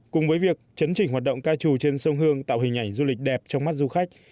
cùng với việc chấn chỉnh hoạt động ca trù trên sông hương tạo hình ảnh du lịch đẹp trong mắt du khách